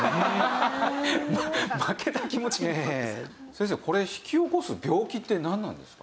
先生これ引き起こす病気ってなんなんですか？